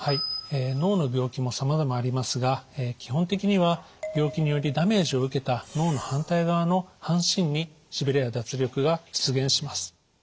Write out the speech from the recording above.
脳の病気もさまざまありますが基本的には病気によりダメージを受けた脳の反対側の半身にしびれや脱力が出現します。